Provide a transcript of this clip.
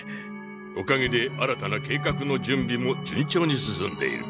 おかげで新たな計画の準備も順調に進んでいる。